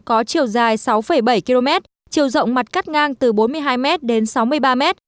có chiều dài sáu bảy km chiều rộng mặt cắt ngang từ bốn mươi hai m đến sáu mươi ba m